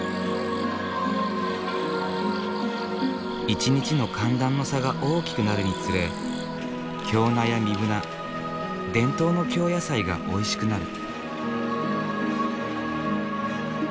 一日の寒暖の差が大きくなるにつれ京菜や壬生菜伝統の京野菜がおいしくなる。